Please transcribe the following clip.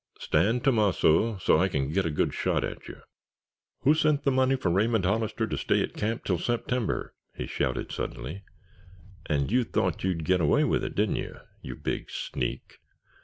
Stand, Tomasso, so I can get a good shot at you! Who sent the money for Raymond Hollister to stay at camp till September?" he shouted, suddenly. "And you thought you'd get away with it, didn't you—you big sneak!